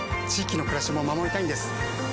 域の暮らしも守りたいんです。